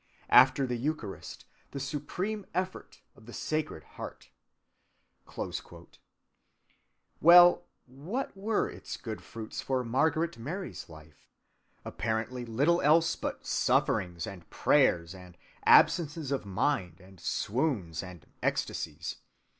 After the Eucharist, the supreme effort of the Sacred Heart."(202) Well, what were its good fruits for Margaret Mary's life? Apparently little else but sufferings and prayers and absences of mind and swoons and ecstasies.